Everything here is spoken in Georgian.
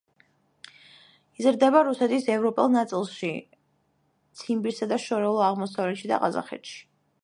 იზრდება რუსეთის ევროპულ ნაწილში, ციმბირსა და შორეულ აღმოსავლეთში და ყაზახეთში.